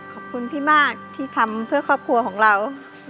ขอบคุณพี่มากที่ทำเพื่อครอบครัวของเรา